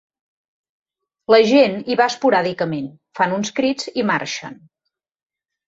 La gent hi va esporàdicament, fan uns crits i marxen.